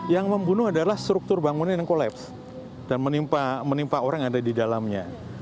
yang membunuh adalah struktur bangunan yang kolaps dan menimpa orang yang ada di dalamnya